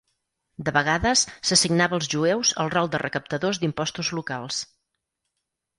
De vegades, s'assignava als jueus el rol de recaptadors d'impostos locals.